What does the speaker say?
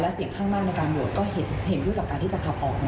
เสียงข้างมากในการโหวตก็เห็นด้วยกับการที่จะขับออก